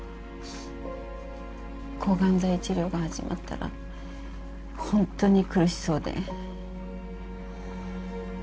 抗がん剤治療が始まったらホントに苦しそうで。